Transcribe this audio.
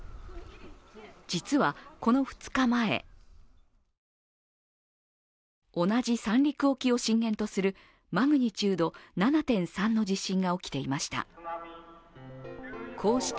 実は、この２日前同じ三陸沖を震源とするマグニチュード７．３の地震が起きていました。